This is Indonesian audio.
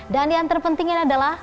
dan yang terpentingnya adalah